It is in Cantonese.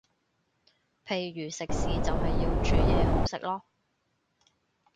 譬如食肆就係要煮嘢好食囉